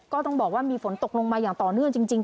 ก็ต้องบอกว่ามีฝนตกลงมาอย่างต่อเนื่องจริง